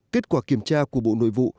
kết quả kiểm tra của bộ nội vụ